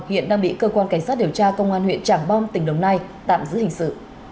hiện đang bị cơ quan cảnh sát điều tra công an huyện trảng bom tỉnh đồng nai tạm giữ hình sự